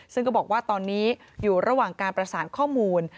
ซึ่งก็บอกว่าตอนนี้อยู่ระหว่างการประสานข้อมูล